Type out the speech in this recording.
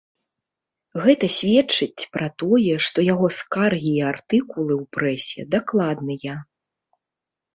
Гэта сведчыць пра тое, што яго скаргі і артыкулы ў прэсе дакладныя.